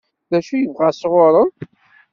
D acu i bɣan sɣur-m?